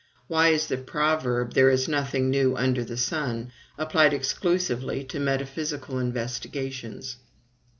Why is the proverb, THERE IS NOTHING NEW UNDER THE SUN, applied exclusively to metaphysical investigations?